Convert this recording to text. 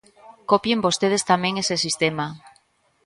Copien vostedes tamén ese sistema.